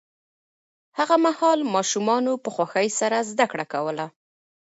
هغه مهال ماشومانو په خوښۍ سره زده کړه کوله.